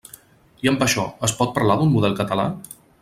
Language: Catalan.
I amb això, ¿es pot parlar d'un model català?